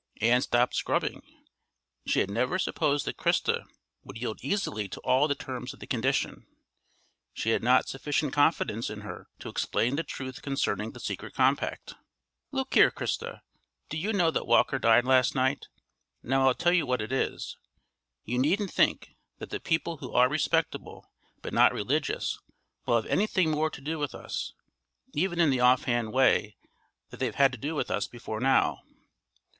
Ann stopped scrubbing. She had never supposed that Christa would yield easily to all the terms of the condition; she had not sufficient confidence in her to explain the truth concerning the secret compact. "Look here, Christa, do you know that Walker died last night? Now I'll tell you what it is; you needn't think that the people who are respectable but not religious will have anything more to do with us, even in the off hand way that they've had to do with us before now.